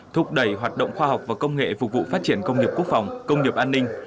thúc đẩy hoạt động khoa học và công nghệ phục vụ phát triển công nghiệp quốc phòng công nghiệp an ninh